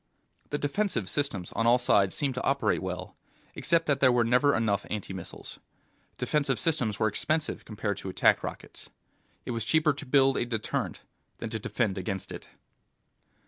The defensive systems on all sides seemed to operate well, except that there were never enough anti missiles. Defensive systems were expensive compared to attack rockets. It was cheaper to build a deterrent than to defend against it.